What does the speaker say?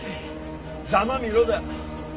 ざまあみろだ！